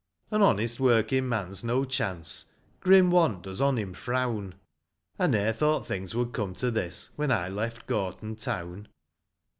An honest working man's no chance ; Grim want does on him frown ; I ne'er thought things would come to this, When I left Gorton town.